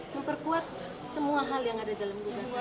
memperkuat semua hal yang ada dalam gugatan